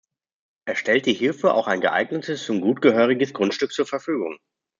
Er stellte hierfür auch ein geeignetes, zum Gut gehöriges Grundstück zur Verfügung.